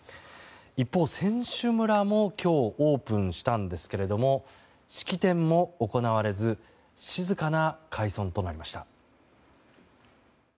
一方、選手村も今日、オープンしたんですが式典も行われず静かな開村となりました。